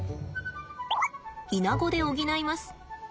イナゴで補います。